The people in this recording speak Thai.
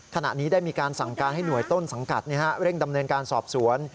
ขณะนี้ได้มีการสั่งการให้หน่วยต้นสังกัดเร่งดำเนินการสอบสวน